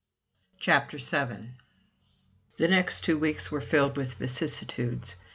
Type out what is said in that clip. CHAPTER VII The next two weeks were filled with vicissitudes.